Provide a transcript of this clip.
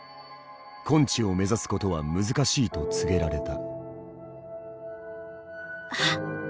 根治を目指すことは難しいと告げられた。